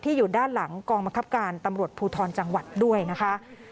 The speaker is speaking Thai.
อยู่ด้านหลังกองบังคับการตำรวจภูทรจังหวัดด้วยนะคะ